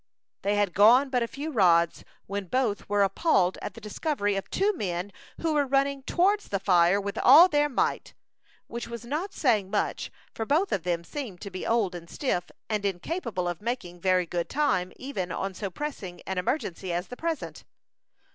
They had gone but a few rods, when both were appalled at the discovery of two men, who were running towards the fire with all their might which was not saying much, for both of them seemed to be old and stiff, and incapable of making very good time even on so pressing an emergency as the present.